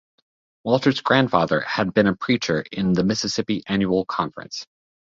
Walter's grandfather had been a Preacher in the Mississippi Annual Conference.